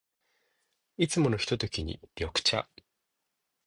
いつものひとときに、緑茶。